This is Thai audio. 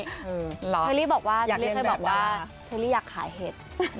เชอรี่บอกว่าเชอรี่เคยบอกว่าเชอรี่อยากขายเห็ด